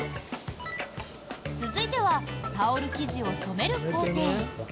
続いてはタオル生地を染める工程。